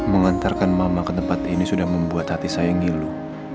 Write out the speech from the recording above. mengantarkan mama ke tempat ini sudah membuat hati saya ngilu